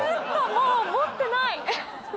もう持ってない。